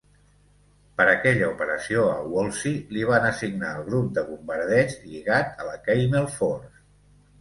Per aquella operació, al Woolsey li van assignar el grup de bombardeig lligat a la Camel Force.